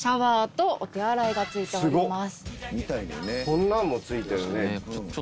こんなのも付いてるね。